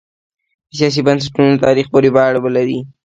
د سیاسي بنسټونو په تاریخ پورې به اړه ولري.